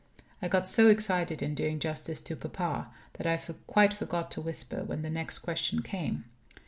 I got so excited in doing justice to papa that I quite forgot to whisper when the next question came.